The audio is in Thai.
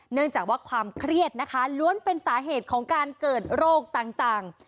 เนื่องจากว่าความเครียดนะคะล้วนเป็นสาเหตุของการเกิดโรคต่าง